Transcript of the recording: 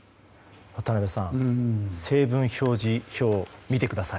渡辺さん成分表示表見てください。